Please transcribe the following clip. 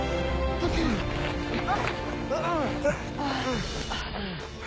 ああ！